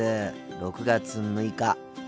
６月６日。